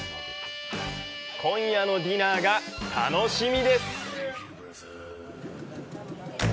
今夜のディナーが楽しみです！